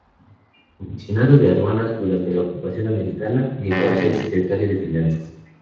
Comisionado de Aduanas durante la ocupación americana, llegó a ser Secretario de Finanzas.